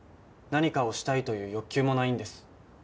何かをしたいという欲求もないんです。